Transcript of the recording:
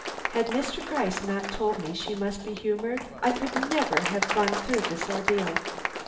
Had Mr. Gryce not told me she must be humored, I could never have gone through this ordeal.